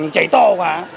chạy to quá